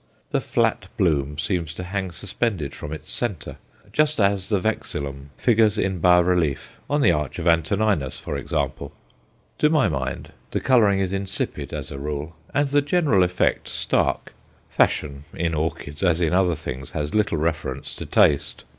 The flat bloom seems to hang suspended from its centre, just as the vexillum figures in bas relief on the Arch of Antoninus, for example. To my mind the colouring is insipid, as a rule, and the general effect stark fashion in orchids, as in other things, has little reference to taste.